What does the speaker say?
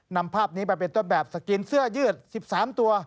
นำภาพนี้ไปเป็นต้นแบบสกรีนเสื้อยืด๑๓ตัว